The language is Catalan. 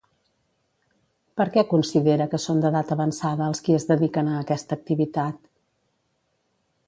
Per què considera que són d'edat avançada els qui es dediquen a aquesta activitat?